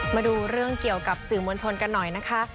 มาดูเรื่องเกี่ยวกับสื่อมวลชนกันหน่อยนะคะ